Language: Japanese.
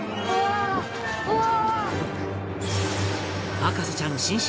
『博士ちゃん』新春